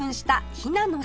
「ひなの郷」。